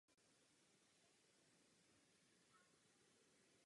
Byla mu udělena Sokolovská pamětní medaile a sovětská medaile "Za odvahu".